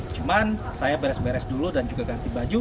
cuman saya beres beres dulu dan juga ganti baju